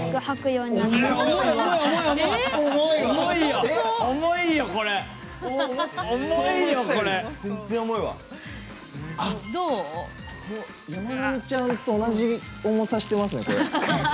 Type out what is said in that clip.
やまなみちゃんと同じ重さしてますね、これ。